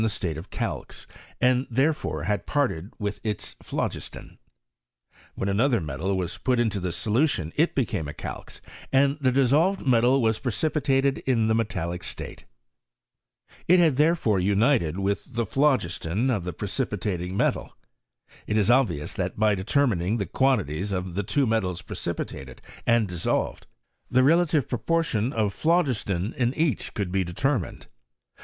the state of calx, and therefore had parted widi its phlogiston: when another metal was put into this sohition it became a calx, and die dissolyed metal was precipitated in the metallic state. It had there* Ibre anited with the phlogiston of the precipitatin|^ metal. It is obvious, that by detomining the quan tities of the two metals precipitated and disscivedy the relatiye proportion of phlogiston in each coold be determined.